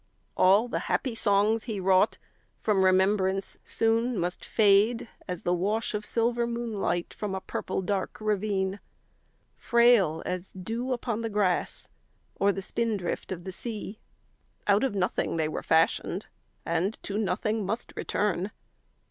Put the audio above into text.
All the happy songs he wrought From remembrance soon must fade, As the wash of silver moonlight 15 From a purple dark ravine. Frail as dew upon the grass Or the spindrift of the sea, Out of nothing they were fashioned And to nothing must return.